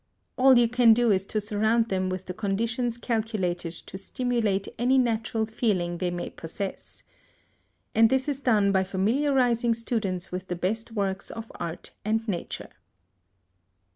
All you can do is to surround them with the conditions calculated to stimulate any natural feeling they may possess. And this is done by familiarising students with the best works of art and nature.